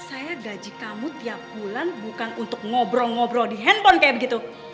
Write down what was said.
saya gaji kamu tiap bulan bukan untuk ngobrol ngobrol di handphone kayak begitu